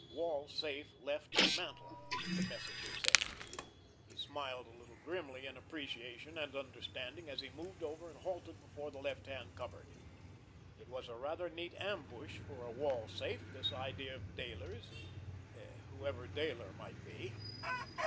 "Wall safe, left of mantel," the message had said. He smiled a little grimly in appreciation and understanding, as he moved over and halted before the left hand cupboard. It was a rather neat ambush for a wall safe, this idea of Dayler's—whoever Dayler might be!